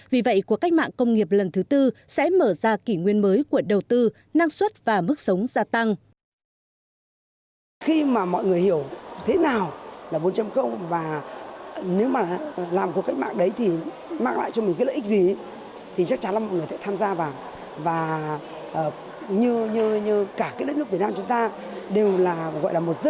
vì vậy cuộc cách mạng công nghiệp lần thứ tư sẽ mở ra kỷ nguyên mới của đầu tư năng suất và mức sống gia tăng